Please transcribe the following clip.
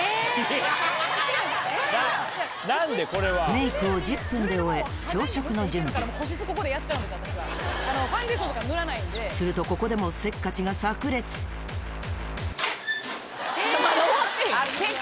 メイクを１０分で終え朝食の準備するとここでもせっかちがさく裂まだ終わってへん。